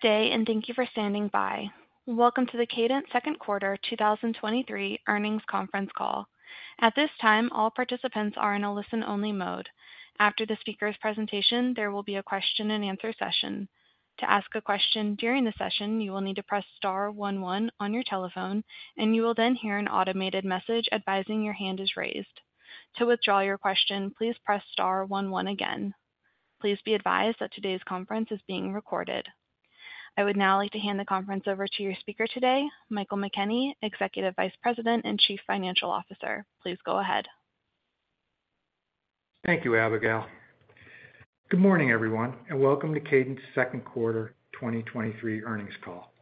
Good day. Thank you for standing by. Welcome to the Kadant Second Quarter 2023 Earnings Conference Call. At this time, all participants are in a listen-only mode. After the speaker's presentation, there will be a question-and-answer session. To ask a question during the session, you will need to press star one one on your telephone. You will then hear an automated message advising your hand is raised. To withdraw your question, please press star one one again. Please be advised that today's conference is being recorded. I would now like to hand the conference over to your speaker today, Michael McKenney, Executive Vice President and Chief Financial Officer. Please go ahead. Thank you, Abigail. Good morning, everyone, and welcome to Kadant's Second Quarter 2023 Earnings Call.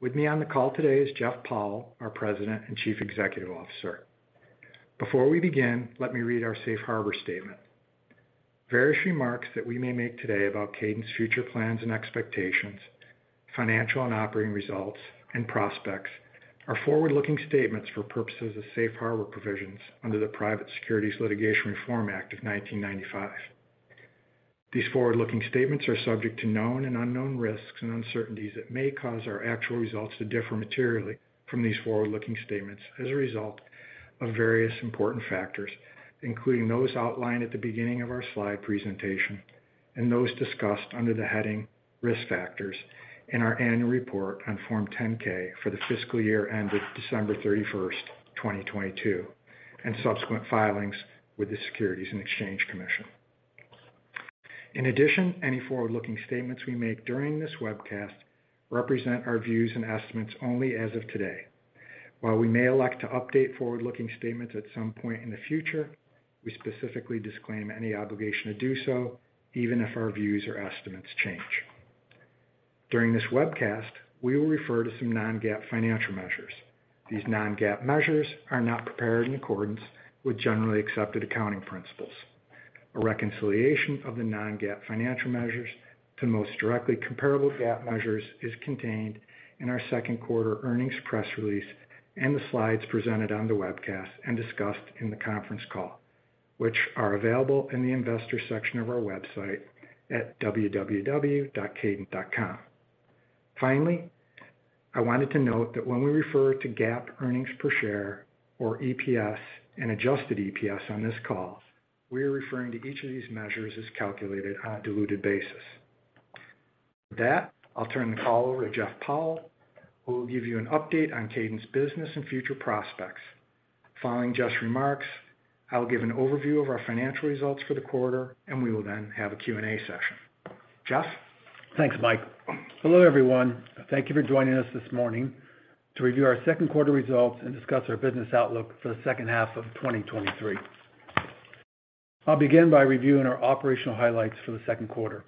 With me on the call today is Jeff Powell, our President and Chief Executive Officer. Before we begin, let me read our safe harbor statement. Various remarks that we may make today about Kadant's future plans and expectations, financial and operating results, and prospects are forward-looking statements for purposes of safe harbor provisions under the Private Securities Litigation Reform Act of 1995. These forward-looking statements are subject to known and unknown risks and uncertainties that may cause our actual results to differ materially from these forward-looking statements as a result of various important factors, including those outlined at the beginning of our slide presentation and those discussed under the heading Risk Factors in our annual report on Form 10-K for the fiscal year ended December 31st, 2022, and subsequent filings with the Securities and Exchange Commission. Any forward-looking statements we make during this webcast represent our views and estimates only as of today. While we may elect to update forward-looking statements at some point in the future, we specifically disclaim any obligation to do so, even if our views or estimates change. During this webcast, we will refer to some non-GAAP financial measures. These non-GAAP measures are not prepared in accordance with generally accepted accounting principles. A reconciliation of the non-GAAP financial measures to the most directly comparable GAAP measures is contained in our second quarter earnings press release, and the slides presented on the webcast and discussed in the conference call, which are available in the Investors section of our website at www.kadant.com. Finally, I wanted to note that when we refer to GAAP earnings per share or EPS and adjusted EPS on this call, we are referring to each of these measures as calculated on a diluted basis. With that, I'll turn the call over to Jeff Powell, who will give you an update on Kadant's business and future prospects. Following Jeff's remarks, I will give an overview of our financial results for the quarter, and we will then have a Q&A session. Jeff? Thanks, Mike. Hello, everyone. Thank you for joining us this morning to review our second quarter results and discuss our business outlook for the second half of 2023. I'll begin by reviewing our operational highlights for the second quarter.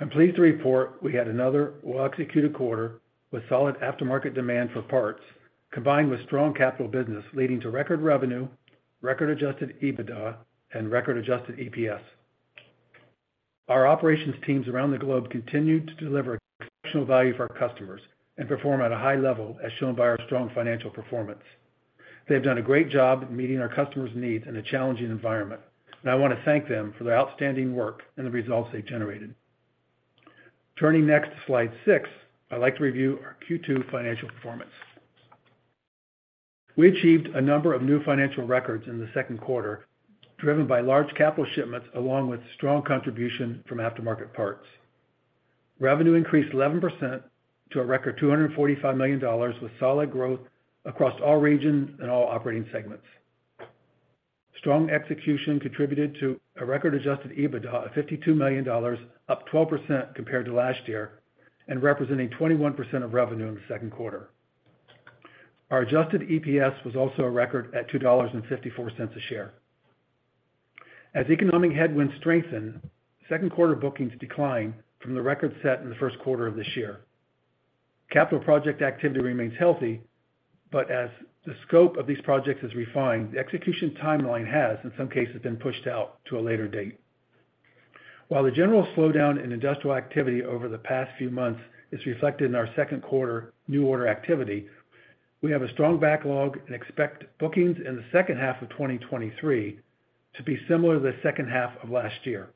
I'm pleased to report we had another well-executed quarter with solid aftermarket demand for parts, combined with strong capital business, leading to record revenue, record adjusted EBITDA, and record adjusted EPS. Our operations teams around the globe continued to deliver exceptional value for our customers and perform at a high level, as shown by our strong financial performance. They've done a great job meeting our customers' needs in a challenging environment. I want to thank them for their outstanding work and the results they've generated. Turning next to slide six, I'd like to review our Q2 financial performance. We achieved a number of new financial records in the second quarter, driven by large capital shipments along with strong contribution from aftermarket parts. Revenue increased 11% to a record $245 million, with solid growth across all regions and all operating segments. Strong execution contributed to a record adjusted EBITDA of $52 million, up 12% compared to last year, and representing 21% of revenue in the second quarter. Our adjusted EPS was also a record at $2.54 a share. As economic headwinds strengthen, second quarter bookings decline from the record set in the first quarter of this year. Capital project activity remains healthy, but as the scope of these projects is refined, the execution timeline has, in some cases, been pushed out to a later date. While the general slowdown in industrial activity over the past few months is reflected in our second quarter new order activity, we have a strong backlog and expect bookings in the second half of 2023 to be similar to the second half of last year.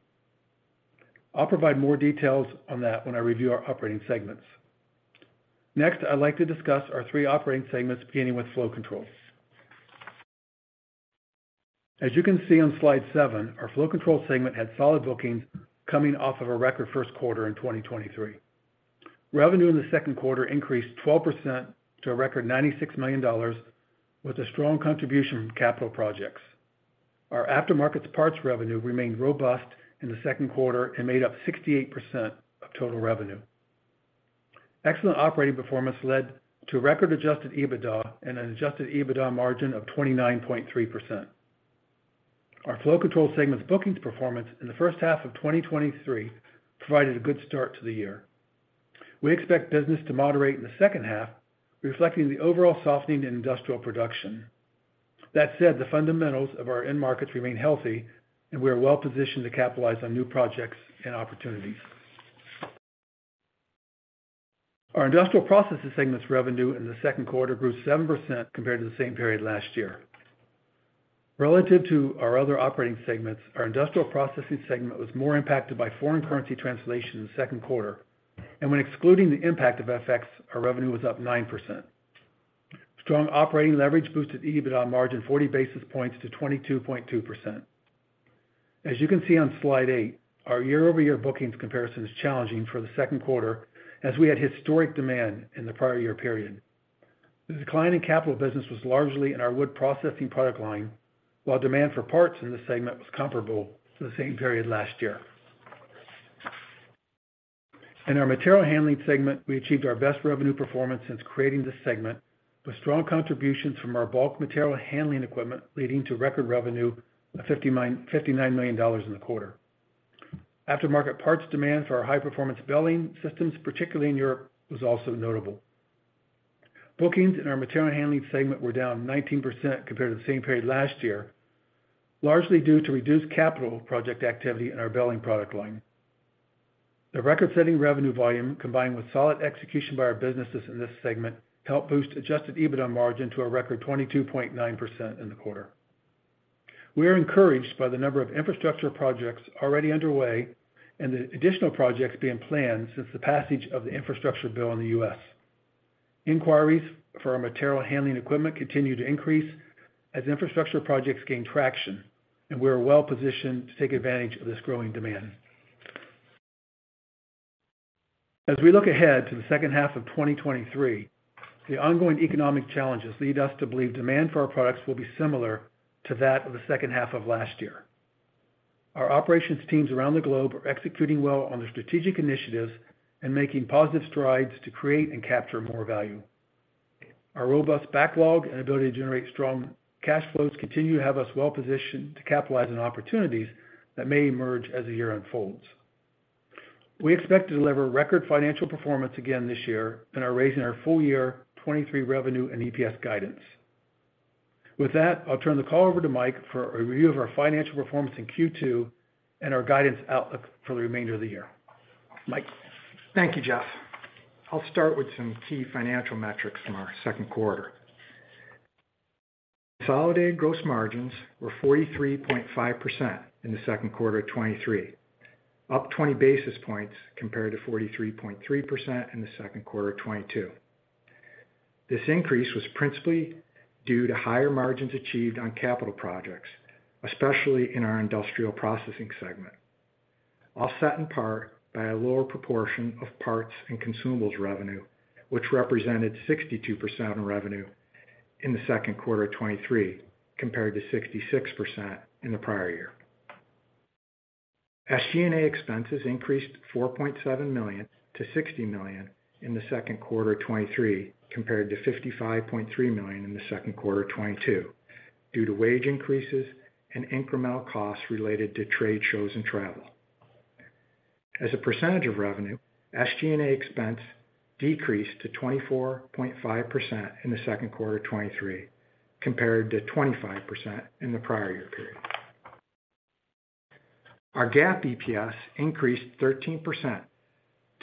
I'll provide more details on that when I review our operating segments. Next, I'd like to discuss our three operating segments, beginning with Flow Control. As you can see on slide seven, our Flow Control segment had solid bookings coming off of a record first quarter in 2023. Revenue in the second quarter increased 12% to a record $96 million, with a strong contribution from capital projects. Our aftermarket parts revenue remained robust in the second quarter and made up 68% of total revenue. Excellent operating performance led to a record adjusted EBITDA and an adjusted EBITDA margin of 29.3%. Our Flow Control segment's bookings performance in the first half of 2023 provided a good start to the year. We expect business to moderate in the second half, reflecting the overall softening in industrial production. That said, the fundamentals of our end markets remain healthy, and we are well positioned to capitalize on new projects and opportunities. Our industrial processes segment's revenue in the second quarter grew 7% compared to the same period last year. Relative to our other operating segments, our Industrial Processing segment was more impacted by foreign currency translation in the second quarter, and when excluding the impact of FX, our revenue was up 9%. Strong operating leverage boosted EBITDA margin 40 basis points to 22.2%. As you can see on slide eight, our year-over-year bookings comparison is challenging for the second quarter, as we had historic demand in the prior year period. The decline in capital business was largely in our Wood Processing product line, while demand for parts in this segment was comparable to the same period last year. In our Material Handling segment, we achieved our best revenue performance since creating this segment, with strong contributions from our bulk material handling equipment, leading to record revenue of $59 million in the quarter. Aftermarket parts demand for our high-performance belting systems, particularly in Europe, was also notable. Bookings in our Material Handling segment were down 19% compared to the same period last year, largely due to reduced capital project activity in our belting product line. The record-setting revenue volume, combined with solid execution by our businesses in this segment, helped boost adjusted EBITDA margin to a record 22.9% in the quarter. We are encouraged by the number of infrastructure projects already underway and the additional projects being planned since the passage of the infrastructure bill in the U.S. Inquiries for our material handling equipment continue to increase as infrastructure projects gain traction, we are well positioned to take advantage of this growing demand. As we look ahead to the second half of 2023, the ongoing economic challenges lead us to believe demand for our products will be similar to that of the second half of last year. Our operations teams around the globe are executing well on their strategic initiatives and making positive strides to create and capture more value. Our robust backlog and ability to generate strong cash flows continue to have us well positioned to capitalize on opportunities that may emerge as the year unfolds. We expect to deliver record financial performance again this year and are raising our full year 2023 revenue and EPS guidance. With that, I'll turn the call over to Mike for a review of our financial performance in Q2 and our guidance outlook for the remainder of the year. Mike? Thank you, Jeff. I'll start with some key financial metrics from our second quarter. Consolidated gross margins were 43.5% in the second quarter of 2023, up 20 basis points compared to 43.3% in the second quarter of 2022. This increase was principally due to higher margins achieved on capital projects, especially in our Industrial Processing segment, offset in part by a lower proportion of parts and consumables revenue, which represented 62% in revenue in the second quarter of 2023, compared to 66% in the prior year. SG&A expenses increased $4.7 million to $60 million in the second quarter of 2023, compared to $55.3 million in the second quarter of 2022, due to wage increases and incremental costs related to trade shows and travel. As a percentage of revenue, SG&A expense decreased to 24.5% in the second quarter of 2023, compared to 25% in the prior year period. Our GAAP EPS increased 13%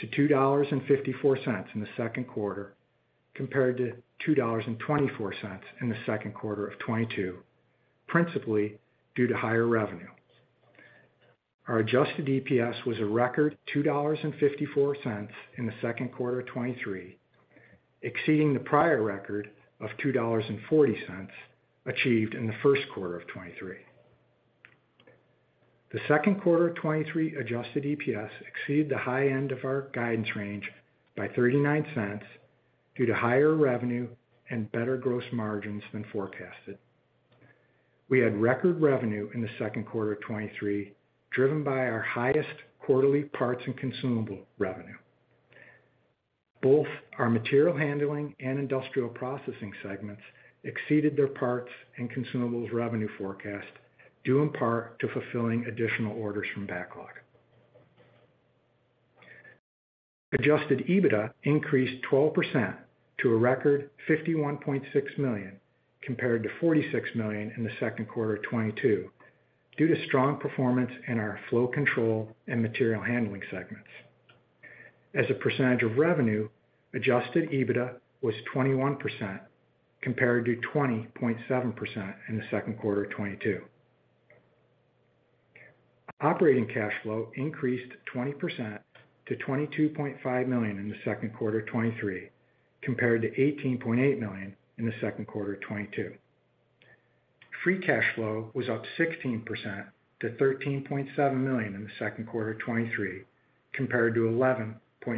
to $2.54 in the second quarter, compared to $2.24 in the second quarter of 2022, principally due to higher revenue. Our adjusted EPS was a record $2.54 in the second quarter of 2023, exceeding the prior record of $2.40, achieved in the first quarter of 2023. The second quarter of 2023 adjusted EPS exceeded the high end of our guidance range by $0.39 due to higher revenue and better gross margins than forecasted. We had record revenue in the second quarter of 2023, driven by our highest quarterly parts and consumable revenue. Both our Material Handling and Industrial Processing segments exceeded their parts and consumables revenue forecast, due in part to fulfilling additional orders from backlog. Adjusted EBITDA increased 12% to a record $51.6 million, compared to $46 million in the second quarter 2022, due to strong performance in our Flow Control and Material Handling segments. As a percentage of revenue, adjusted EBITDA was 21%, compared to 20.7% in the second quarter 2022. Operating cash flow increased 20% to $22.5 million in the second quarter 2023, compared to $18.8 million in the second quarter 2022. Free cash flow was up 16% to $13.7 million in the second quarter 2023, compared to $11.9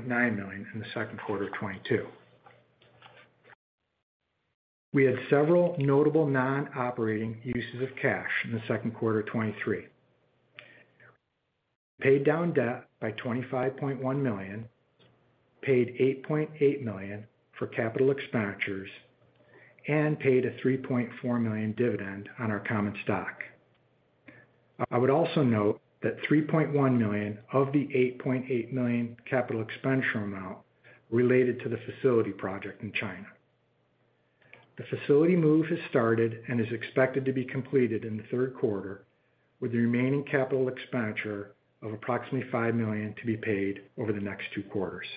million in the second quarter 2022. We had several notable non-operating uses of cash in the second quarter of 2023. We paid down debt by $25.1 million, paid $8.8 million for CapEx, and paid a $3.4 million dividend on our common stock. I would also note that $3.1 million of the $8.8 million CapEx amount related to the facility project in China. The facility move has started and is expected to be completed in the third quarter, with the remaining CapEx of approximately $5 million to be paid over the next two quarters.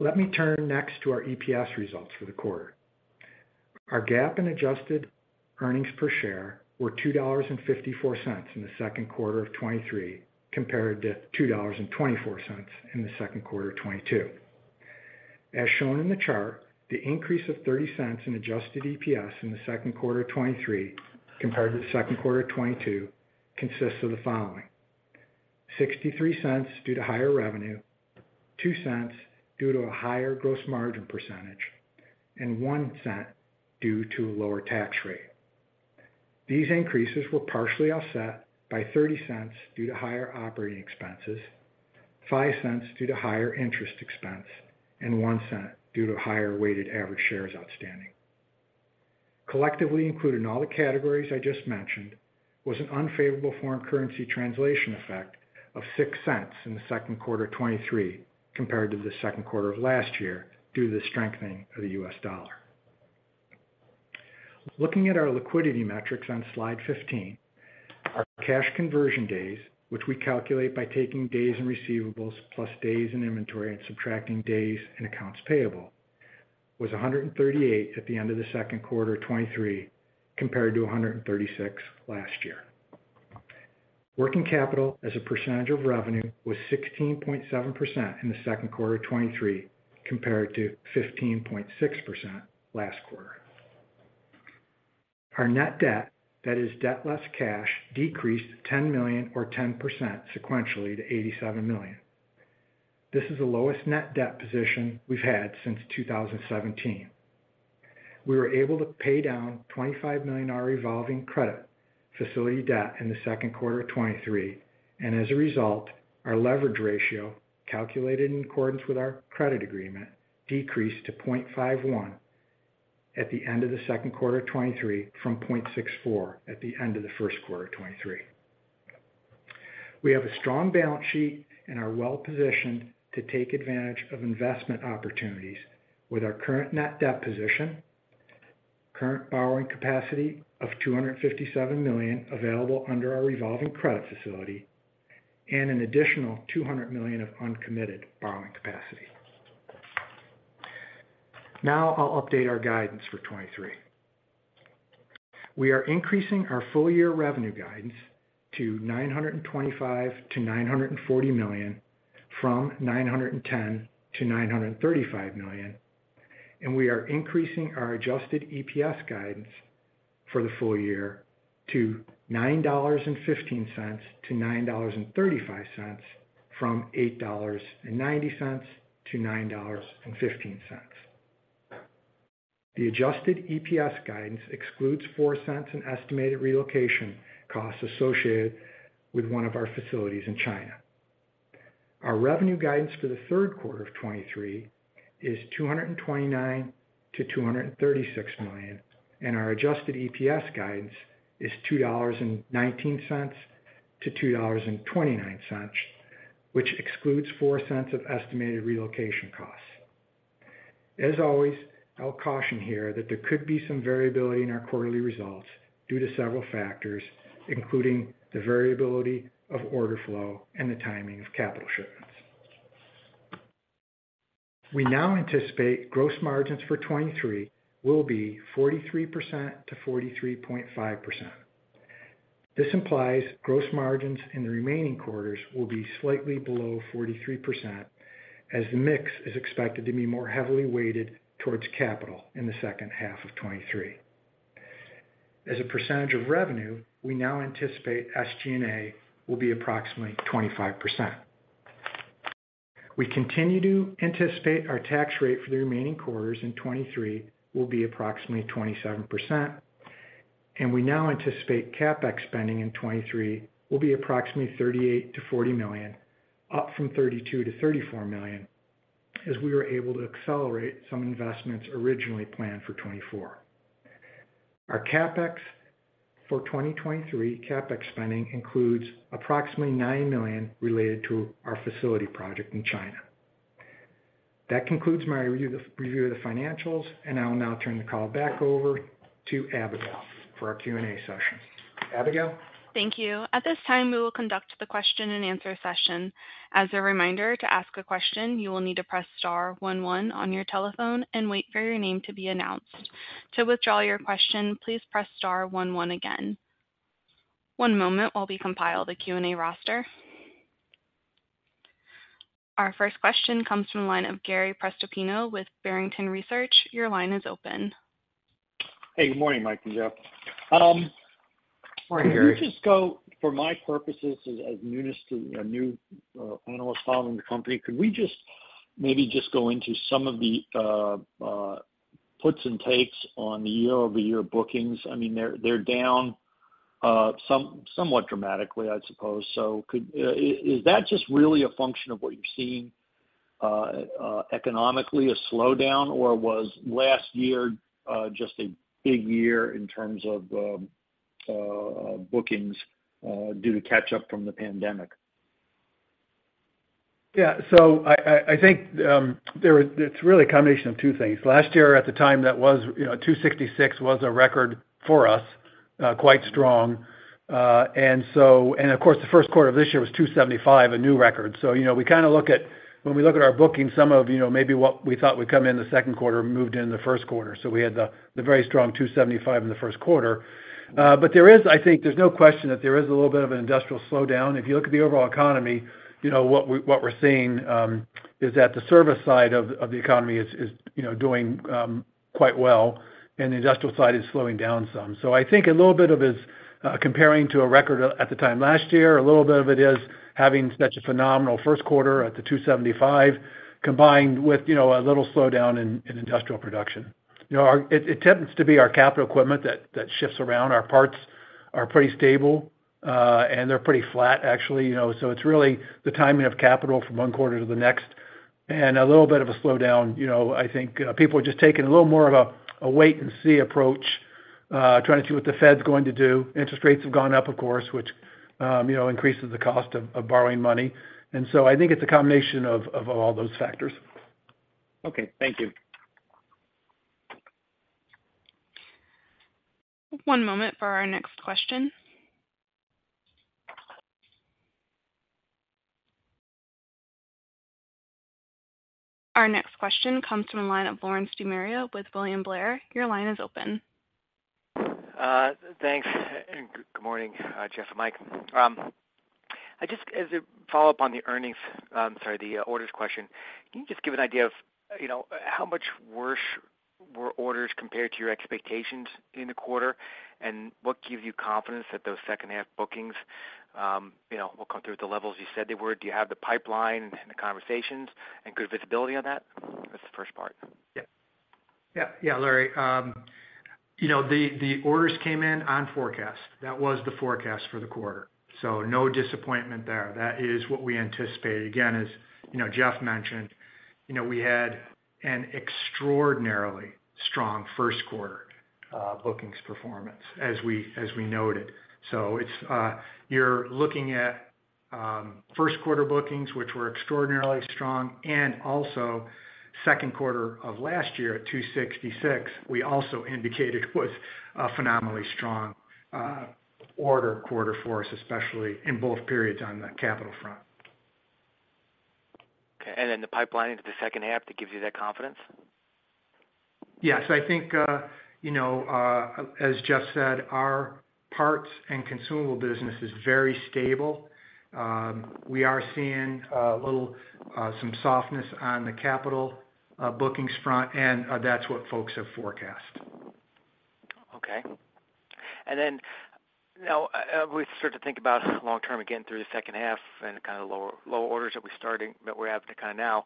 Let me turn next to our EPS results for the quarter. Our GAAP and adjusted earnings per share were $2.54 in the second quarter of 2023, compared to $2.24 in the second quarter of 2022. As shown in the chart, the increase of $0.30 in adjusted EPS in the second quarter of 2023 compared to the second quarter of 2022 consists of the following: $0.63 due to higher revenue, $0.02 due to a higher gross margin %, and $0.01 due to a lower tax rate. These increases were partially offset by $0.30 due to higher operating expenses, $0.05 due to higher interest expense, and $0.01 due to higher weighted average shares outstanding. Collectively, included in all the categories I just mentioned, was an unfavorable foreign currency translation effect of $0.06 in the second quarter of 2023, compared to the second quarter of 2022, due to the strengthening of the US dollar. Looking at our liquidity metrics on Slide 15, our cash conversion days, which we calculate by taking days and receivables plus days in inventory and subtracting days and accounts payable, was 138 at the end of the second quarter of 2023, compared to 136 last year. Working capital as a percentage of revenue was 16.7% in the second quarter of 2023, compared to 15.6% last quarter. Our net debt, that is debt less cash, decreased $10 million or 10% sequentially to $87 million. This is the lowest net debt position we've had since 2017. We were able to pay down $25 million in our revolving credit facility debt in the second quarter of 2023, as a result, our leverage ratio, calculated in accordance with our credit agreement, decreased to 0.51 at the end of the second quarter of 2023 from 0.64 at the end of the first quarter of 2023. We have a strong balance sheet and are well positioned to take advantage of investment opportunities with our current net debt position, current borrowing capacity of $257 million available under our revolving credit facility, and an additional $200 million of uncommitted borrowing capacity. Now I'll update our guidance for 2023. We are increasing our full-year revenue guidance to $925 million-$940 million, from $910 million-$935 million, and we are increasing our adjusted EPS guidance for the full year to $9.15-$9.35, from $8.90-$9.15. The adjusted EPS guidance excludes $0.04 in estimated relocation costs associated with one of our facilities in China. Our revenue guidance for the third quarter of 2023 is $229 million-$236 million, and our adjusted EPS guidance is $2.19-$2.29, which excludes $0.04 of estimated relocation costs. As always, I'll caution here that there could be some variability in our quarterly results due to several factors, including the variability of order flow and the timing of capital shipments. We now anticipate gross margins for 2023 will be 43%-43.5%. This implies gross margins in the remaining quarters will be slightly below 43%, as the mix is expected to be more heavily weighted towards capital in the second half of 2023. As a percentage of revenue, we now anticipate SG&A will be approximately 25%. We continue to anticipate our tax rate for the remaining quarters in 2023 will be approximately 27%, and we now anticipate CapEx spending in 2023 will be approximately $38 million-$40 million, up from $32 million-$34 million, as we were able to accelerate some investments originally planned for 2024. Our CapEx for 2023, CapEx spending includes approximately $9 million related to our facility project in China. That concludes my review of the financials, I will now turn the call back over to Abigail for our Q&A session. Abigail? Thank you. At this time, we will conduct the question-and-answer session. As a reminder, to ask a question, you will need to press star one one on your telephone and wait for your name to be announced. To withdraw your question, please press star one one again. One moment while we compile the Q&A roster. Our first question comes from the line of Gary Prestopino with Barrington Research. Your line is open. Hey, good morning, Mike and Jeff. Morning, Gary. Could you just go, for my purposes as a new analyst following the company, could we just maybe just go into some of the puts and takes on the year-over-year bookings? I mean, they're, they're down somewhat dramatically, I'd suppose. Could is that just really a function of what you're seeing economically, a slowdown, or was last year just a big year in terms of bookings due to catch-up from the pandemic? Yeah. I think it's really a combination of two things. Last year, at the time, that was, you know, $266 was a record for us, quite strong. Of course, the first quarter of this year was $275, a new record. You know, we kind of look at, when we look at our bookings, some of, you know, maybe what we thought would come in the second quarter moved in the first quarter. We had the very strong $275 in the first quarter. There is, I think, there's no question that there is a little bit of an industrial slowdown. If you look at the overall economy, you know, what we, what we're seeing, is that the service side of the economy is, is, you know, doing quite well, and the industrial side is slowing down some. I think a little bit of it's comparing to a record at the time last year, a little bit of it is having such a phenomenal first quarter at the 275, combined with, you know, a little slowdown in, in industrial production. You know, it, it tends to be our capital equipment that, that shifts around. Our parts are pretty stable, and they're pretty flat, actually, you know, it's really the timing of capital from one quarter to the next, and a little bit of a slowdown. You know, I think people are just taking a little more of a, a wait and see approach, trying to see what the Fed's going to do. Interest rates have gone up, of course, which, you know, increases the cost of, of borrowing money. I think it's a combination of, of all those factors. Okay. Thank you. One moment for our next question. Our next question comes from the line of Lawrence DeMaria with William Blair. Your line is open. Thanks, and good morning, Jeff and Mike. I just as a follow-up on the earnings, sorry, the orders question, can you just give an idea of, you know, how much worse were orders compared to your expectations in the quarter? What gives you confidence that those second half bookings, you know, will come through at the levels you said they were? Do you have the pipeline and the conversations and good visibility on that? That's the first part. Yeah. Yeah, yeah, Larry. You know, the, the orders came in on forecast. That was the forecast for the quarter, so no disappointment there. That is what we anticipated. Again, as, you know, Jeff mentioned, you know, we had an extraordinarily strong first quarter, bookings performance, as we, as we noted. It's, you're looking at, first quarter bookings, which were extraordinarily strong, and also second quarter of last year at $266, we also indicated was a phenomenally strong, order quarter for us, especially in both periods on the capital front. Okay. Then the pipeline into the second half, that gives you that confidence? Yes. I think, you know, as Jeff said, our parts and consumable business is very stable. We are seeing a little, some softness on the capital, bookings front, and that's what folks have forecast. Now, as we start to think about long term, again, through the second half and kind of lower, lower orders that we're starting, that we're having to kind of now,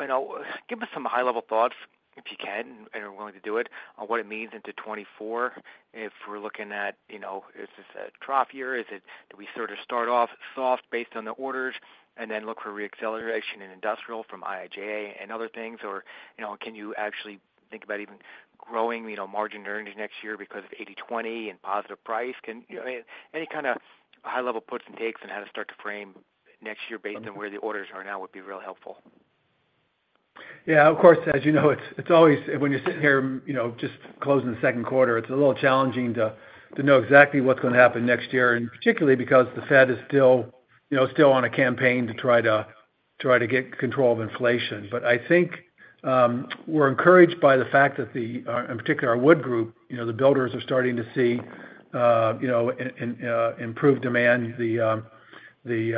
you know, give us some high-level thoughts, if you can, and are willing to do it, on what it means into 2024. If we're looking at, you know, is this a trough year? Is it, do we sort of start off soft based on the orders and then look for reacceleration in industrial from IIJA and other things? Or, you know, can you actually think about even growing, you know, margin earnings next year because of 80/20 and positive price? Can, you know, any kind of high-level puts and takes on how to start to frame next year based on where the orders are now, would be real helpful. Yeah, of course, as you know, it's, it's always when you're sitting here, you know, just closing the second quarter, it's a little challenging to, to know exactly what's gonna happen next year, and particularly because the Fed is still, you know, still on a campaign to try to, try to get control of inflation. I think, we're encouraged by the fact that the, in particular, our Wood Group, you know, the builders are starting to see, you know, improved demand. The, the,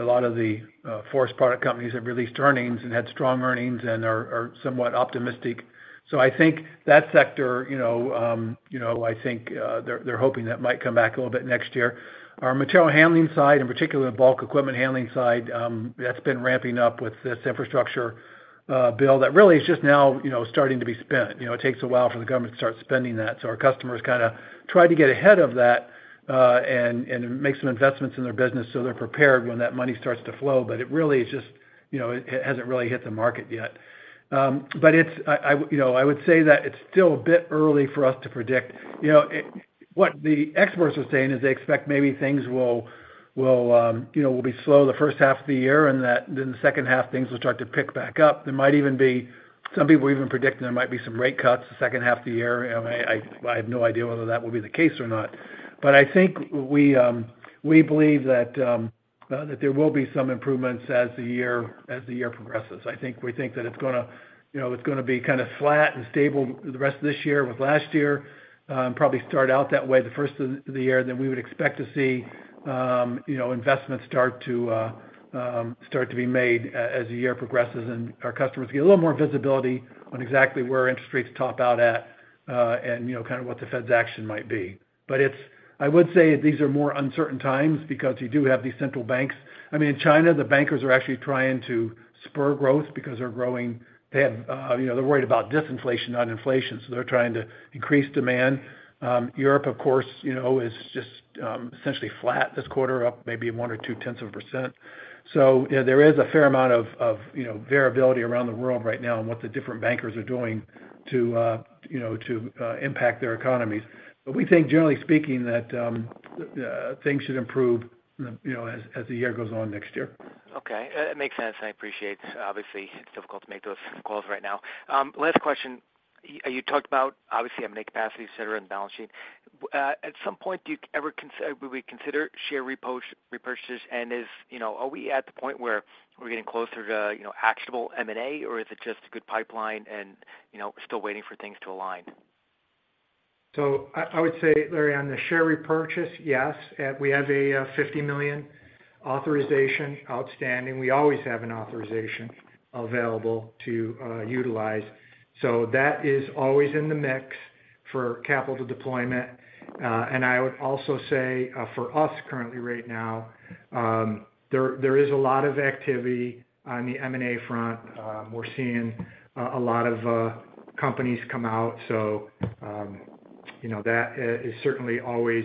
a lot of the, forest product companies have released earnings and had strong earnings and are, are somewhat optimistic. I think that sector, you know, you know, I think, they're, they're hoping that might come back a little bit next year. Our Material Handling side, in particular, the bulk material handling side, that's been ramping up with this Infrastructure bill that really is just now, you know, starting to be spent. You know, it takes a while for the government to start spending that. Our customers kind of try to get ahead of that, and, and make some investments in their business, so they're prepared when that money starts to flow. It really is just, you know, it, it hasn't really hit the market yet. It's, I, I, you know, I would say that it's still a bit early for us to predict. You know, it-- what the experts are saying is they expect maybe things will, will, you know, will be slow the first half of the year, and that in the second half, things will start to pick back up. There might even be some people even predicting there might be some rate cuts the second half of the year. I have no idea whether that will be the case or not. I think we believe that there will be some improvements as the year, as the year progresses. I think we think that it's gonna, you know, it's gonna be kind of flat and stable the rest of this year with last year, probably start out that way, the first of the year, then we would expect to see, you know, investments start to start to be made as the year progresses and our customers get a little more visibility on exactly where interest rates top out at, and, you know, kind of what the Fed's action might be. I would say these are more uncertain times because you do have these central banks. I mean, in China, the bankers are actually trying to spur growth because they're growing, they have, you know, they're worried about disinflation, not inflation, so they're trying to increase demand. Europe, of course, you know, is just, essentially flat this quarter, up maybe one or two tenths of a %. You know, there is a fair amount of, of, you know, variability around the world right now on what the different bankers are doing to, you know, to, impact their economies. We think, generally speaking, that, things should improve, you know, as, as the year goes on next year. Okay. It makes sense. I appreciate. Obviously, it's difficult to make those calls right now. Last question. You, you talked about obviously M&A capacity, et cetera, and the balance sheet. At some point, will we consider share repurchases? Is, you know, are we at the point where we're getting closer to, you know, actionable M&A, or is it just a good pipeline and, you know, still waiting for things to align? I, I would say, Larry, on the share repurchase, yes, we have a $50 million authorization outstanding. We always have an authorization available to utilize. That is always in the mix for capital deployment. I would also say, for us currently right now, there, there is a lot of activity on the M&A front. We're seeing a lot of companies come out. You know, that is certainly always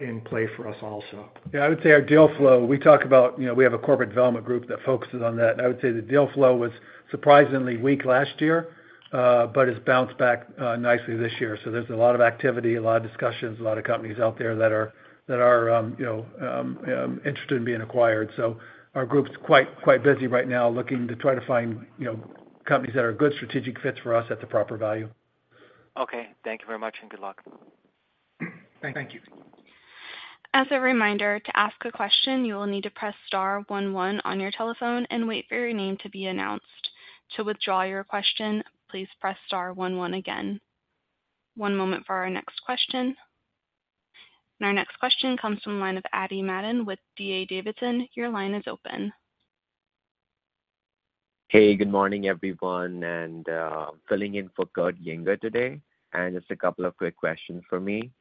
in play for us also. Yeah, I would say our deal flow, we talk about, you know, we have a corporate development group that focuses on that. I would say the deal flow was surprisingly weak last year, but it's bounced back nicely this year. There's a lot of activity, a lot of discussions, a lot of companies out there that are, that are, you know, interested in being acquired. Our group's quite, quite busy right now, looking to try to find, you know, companies that are good strategic fits for us at the proper value. Okay. Thank you very much, and good luck. Thank you. Thank you. As a reminder, to ask a question, you will need to press star one one on your telephone and wait for your name to be announced. To withdraw your question, please press star one one again. One moment for our next question. Our next question comes from the line of Addy Madden with D.A. Davidson. Your line is open. Hey, good morning, everyone, and, filling in for Kurt Yinger today. Just a couple of quick questions for me.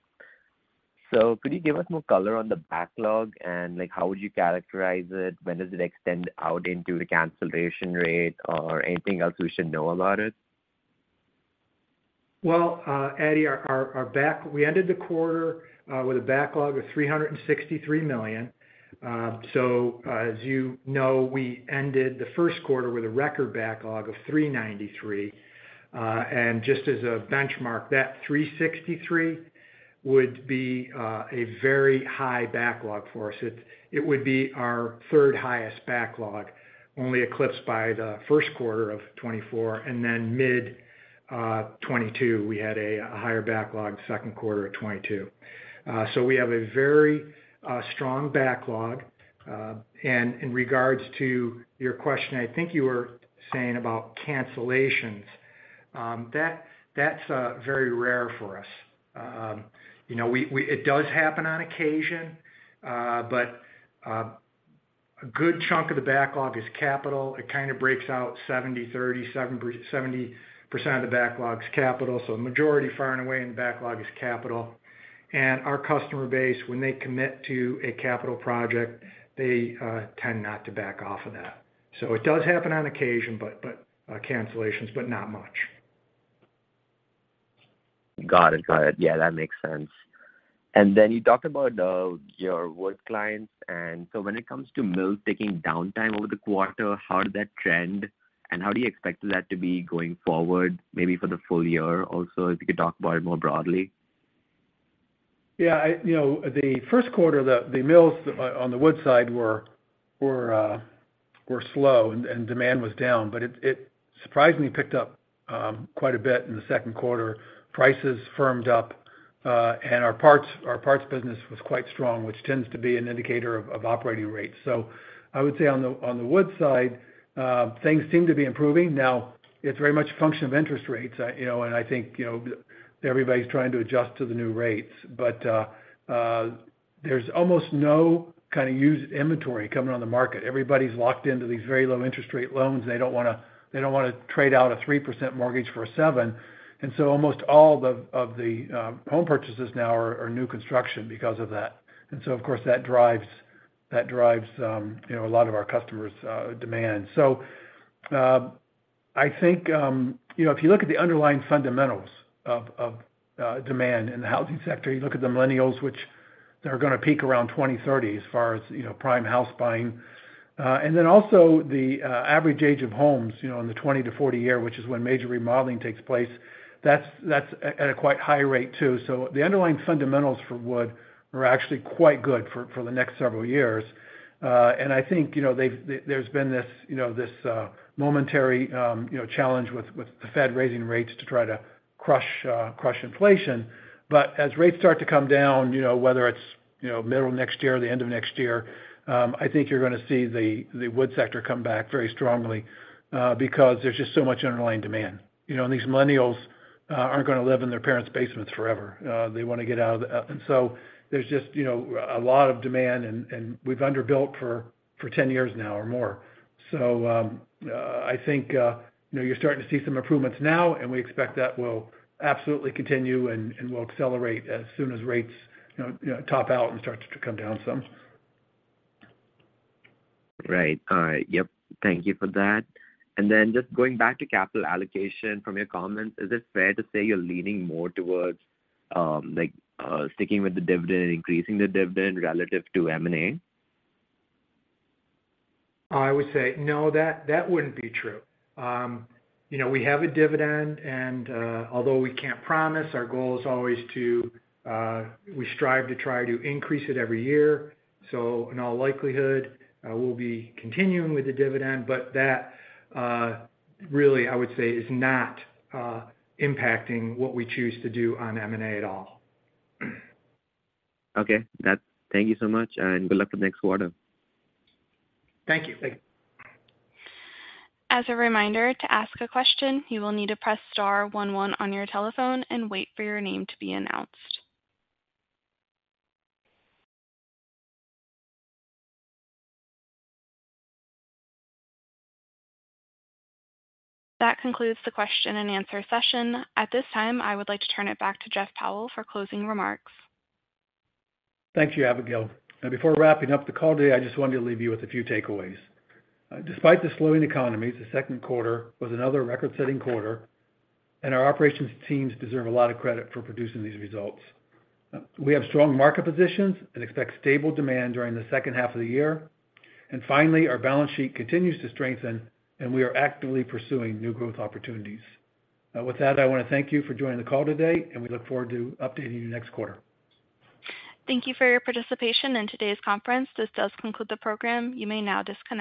Could you give us more color on the backlog, and, like, how would you characterize it? When does it extend out into the cancellation rate or anything else we should know about it? Well, Addy, our, our, our back-- we ended the quarter with a backlog of $363 million. As you know, we ended the first quarter with a record backlog of $393 million. Just as a benchmark, that $363 million would be a very high backlog for us. It, it would be our third highest backlog, only eclipsed by the first quarter of 2024, and then mid-2022, we had a higher backlog, second quarter of 2022. We have a very strong backlog. In regards to your question, I think you were saying about cancellations. That, that's very rare for us. You know, we, we -- it does happen on occasion, but a good chunk of the backlog is capital. It kinda breaks out 70/30. 70% of the backlog is capital, so majority far and away in the backlog is capital. Our customer base, when they commit to a capital project, they tend not to back off of that. It does happen on occasion, but cancellations, but not much. Got it. Got it. Yeah, that makes sense. Then you talked about, your wood clients, and so when it comes to mills taking downtime over the quarter, how did that trend, and how do you expect that to be going forward, maybe for the full year also, if you could talk about it more broadly? Yeah, I... You know, the first quarter, the mills on the wood side were slow and demand was down, but it surprisingly picked up quite a bit in the second quarter. Prices firmed up, and our parts business was quite strong, which tends to be an indicator of operating rates. I would say on the wood side, things seem to be improving. It's very much a function of interest rates, you know, and I think, you know, everybody's trying to adjust to the new rates. There's almost no kind of used inventory coming on the market. Everybody's locked into these very low interest rate loans. They don't wanna, they don't wanna trade out a 3% mortgage for a 7%, almost all the, of the, home purchases now are, are new construction because of that. Of course, that drives, that drives, you know, a lot of our customers, demand. I think, you know, if you look at the underlying fundamentals of, of, demand in the housing sector, you look at the millennials, which they're gonna peak around 2030 as far as, you know, prime house buying. Also the, average age of homes, you know, in the 20-40 year, which is when major remodeling takes place, that's, that's at, at a quite high rate too. The underlying fundamentals for wood are actually quite good for, for the next several years. I think, you know, they've-- there's been this, you know, this, momentary, you know, challenge with, with the Fed raising rates to try to crush, crush inflation. As rates start to come down, you know, whether it's, you know, middle of next year or the end of next year, I think you're gonna see the, the wood sector come back very strongly, because there's just so much underlying demand. You know, these millennials, aren't gonna live in their parents' basements forever. They wanna get out of the-- and so there's just, you know, a lot of demand and, and we've underbuilt for, for 10 years now or more. I think, you're starting to see some improvements now, and we expect that will absolutely continue, and, and will accelerate as soon as rates, top out and start to come down some. Right. Yep. Thank you for that. Just going back to capital allocation from your comments, is it fair to say you're leaning more towards, like, sticking with the dividend and increasing the dividend relative to M&A? I would say no, that, that wouldn't be true. You know, we have a dividend, and, although we can't promise, our goal is always to, we strive to try to increase it every year. In all likelihood, we'll be continuing with the dividend. That, really, I would say, is not impacting what we choose to do on M&A at all. Okay. Thank you so much, and good luck with next quarter. Thank you. Thank you. As a reminder, to ask a question, you will need to press star one one on your telephone and wait for your name to be announced. That concludes the question and answer session. At this time, I would like to turn it back to Jeffrey Powell for closing remarks. Thank you, Abigail. Before wrapping up the call today, I just wanted to leave you with a few takeaways. Despite the slowing economies, the second quarter was another record-setting quarter, and our operations teams deserve a lot of credit for producing these results. We have strong market positions and expect stable demand during the second half of the year. Finally, our balance sheet continues to strengthen, and we are actively pursuing new growth opportunities. With that, I wanna thank you for joining the call today, and we look forward to updating you next quarter. Thank you for your participation in today's conference. This does conclude the program. You may now disconnect.